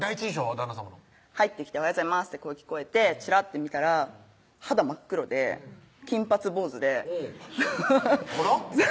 旦那さまの「おはようございます」って声聞こえてちらって見たら肌真っ黒で金髪・坊主でうんあらっ？